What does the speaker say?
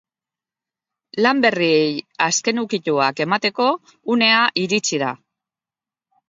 Lan berriei azken ukituak emateko uena iritsi da.